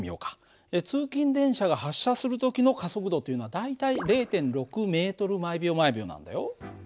通勤電車が発車する時の加速度というのは大体０．６ｍ／ｓなんだよ。